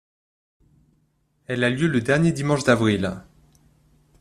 Elle a lieu le dernier dimanche d'avril.